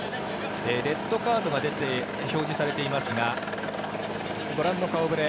レッドカードが表示されていますがご覧の顔触れ。